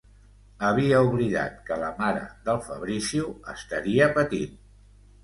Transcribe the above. Havia oblidat que la mare del Fabrizio estaria patint.